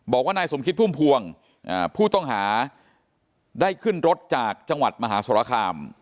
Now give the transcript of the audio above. บอกว่านายสมคิดพุ่มพวงผู้ต้องหาได้ขึ้นรถจากจังหวัดมหาสรคาม